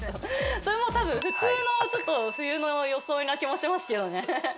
それもう多分普通の冬の装いな気もしますけどね